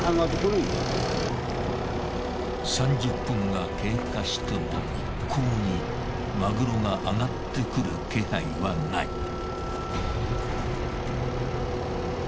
３０分が経過しても一向にマグロが上がってくる気配はない。